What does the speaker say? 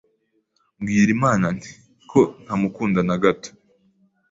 mbwira Imana nti ko ntamukunda na gato,